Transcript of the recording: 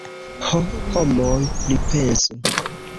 Ho, homoj, pripensu!